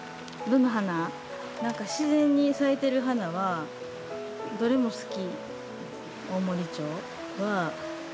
何か自然に咲いてる花はどれも好き。